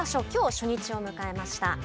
きょう初日を迎えました。